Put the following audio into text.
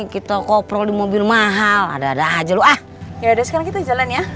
kita koprol di mobil mahal ada ada aja luah ya deh sekarang kita jalan ya